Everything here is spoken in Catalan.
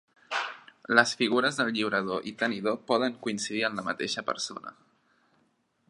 Les figures del lliurador i tenidor poden coincidir en la mateixa persona.